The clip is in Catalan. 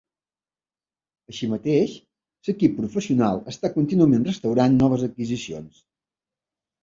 Així mateix, l'equip professional està contínuament restaurant noves adquisicions.